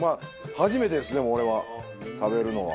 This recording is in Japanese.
初めてですね俺は食べるのは。